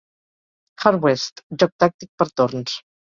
"Hard West", joc tàctic per torns.